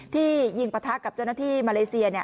ที่ยิงปะทะกับเจ้าหน้าที่มาเลเซีย